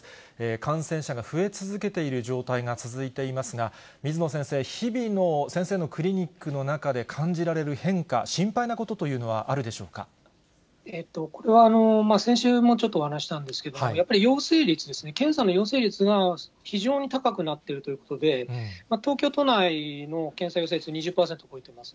感染者が増え続けている状態が続いていますが、水野先生、日々の先生のクリニックの中で感じられる変化、心配なことというこれは、先週もちょっとお話したんですけど、やっぱり陽性率ですね、検査の陽性率が非常に高くなってるということで、東京都内の検査陽性率、２０％超えています。